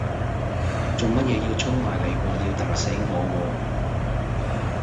做咩要衝埋嚟話要打死我喎